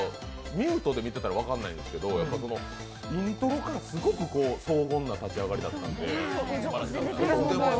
ミュートで見てたら分からないんですけどイントロからすごく荘厳な立ち上がりだったので。